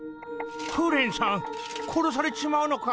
フレンさん殺されちまうのか？